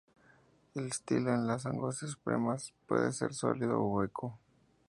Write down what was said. El estilo en las angiospermas puede ser sólido o hueco.